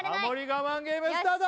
我慢ゲームスタート